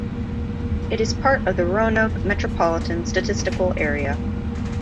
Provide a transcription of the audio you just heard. It is part of the Roanoke Metropolitan Statistical Area.